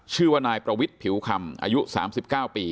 ชื่อว่านายประวิทธิ์ผิวคำอายุสามสิบเก้าปี